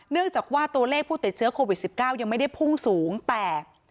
เนื่องจากว่าตัวเลขผู้ติดเชื้อโควิด๑๙ยังไม่ได้พุ่งสูงแต่